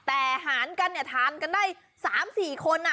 แต่หารกันเนี่ยทานกันได้๓๔คน